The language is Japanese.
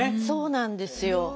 そうなんですよ。